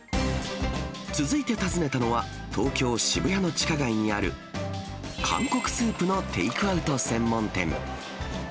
続いて訪ねたのは、東京・渋谷の地下街にある、韓国スープのテイクアウト専門店。